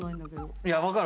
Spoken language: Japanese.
いや分かる。